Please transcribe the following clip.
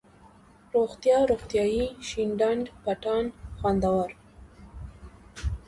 روغتيا، روغتیایي ،شين ډنډ، پټان ، خوندور،